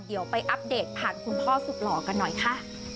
เดี๋ยวไปอัปเดตผ่านคุณพ่อสุดหล่อกันหน่อยค่ะ